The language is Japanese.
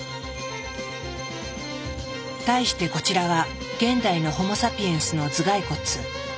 対してこちらは現代のホモ・サピエンスの頭蓋骨。